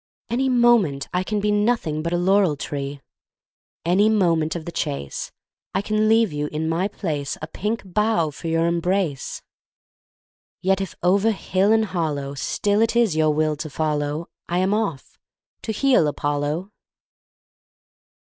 Any moment I can be Nothing but a laurel tree. Any moment of the chase I can leave you in my place A pink bough for your embrace. Yet if over hill and hollow Still it is your will to follow, I am off; to heel, Apollo!